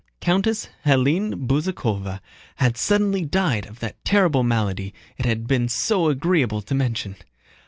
Countess Hélène Bezúkhova had suddenly died of that terrible malady it had been so agreeable to mention.